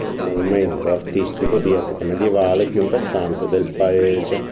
È il monumento artistico di epoca medioevale più importante del paese.